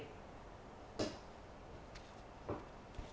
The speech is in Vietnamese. thưa quý vị